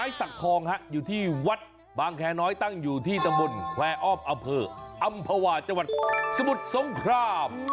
ไม้สักทองฮะอยู่ที่วัดบางแคน้อยตั้งอยู่ที่ตะบุญแคลออบอเผอร์อำภาวะจังหวัดสมุทรสงคราบ